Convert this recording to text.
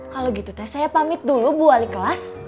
kalau gitu teh saya pamit dulu bu wali kelas